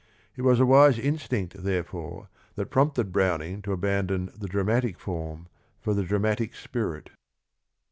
It was a wise instinct, therefore, that prompted Browning to abandon the dramatic form for the dramatic spirit.